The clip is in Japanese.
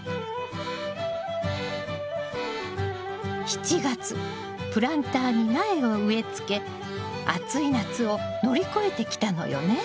７月プランターに苗を植えつけ暑い夏を乗り越えてきたのよね。